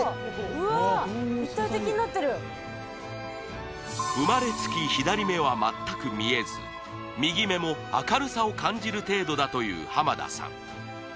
うわっ生まれつき左目は全く見えず右目も明るさを感じる程度だという濱田さん